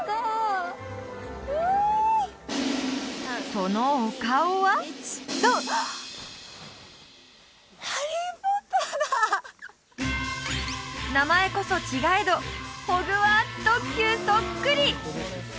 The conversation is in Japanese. そのお顔は「ハリー・ポッター」だ名前こそ違えどホグワーツ特急そっくり！